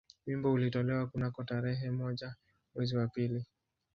Wimbo ulitolewa kunako tarehe moja mwezi wa pili